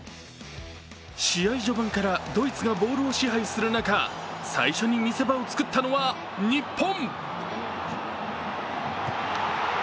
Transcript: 試合序盤からドイツがボールを支配する中最初に見せ場をつくったのは日本。